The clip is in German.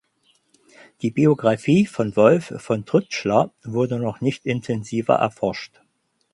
Die Biografie von Wolf von Trützschler wurde noch nicht intensiver erforscht.